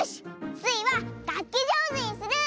スイはがっきじょうずにする！